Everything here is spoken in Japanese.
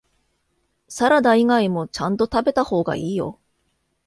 サラダ以外もちゃんと食べた方がいいよ